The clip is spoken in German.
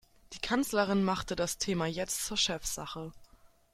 Die Kanzlerin machte das Thema jetzt zur Chefsache.